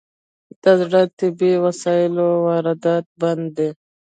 د زړو طبي وسایلو واردات بند دي؟